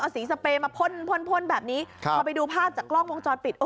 สีสเปรย์มาพ่นพ่นพ่นแบบนี้พอไปดูภาพจากกล้องวงจรปิด